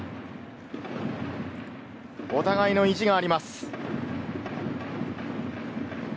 お互いの意地があります。